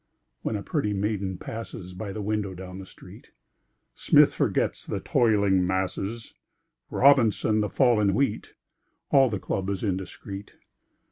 When a pretty maiden passes By the window down the street. Smith forgets the "toiling masses," Robinson, the fall in wheat; All the club is indiscret.